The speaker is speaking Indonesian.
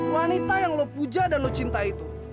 wanita yang lo puja dan lo cinta itu